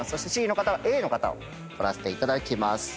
Ｃの方はＡの方を撮らせていただきます。